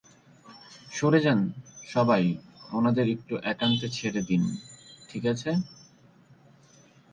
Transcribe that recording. সরে যান, সবাই, ওনাদের একটু একান্তে ছেড়ে দিন, ঠিক আছে?